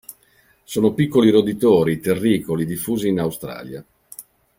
Sono piccoli roditori terricoli diffusi in Australia.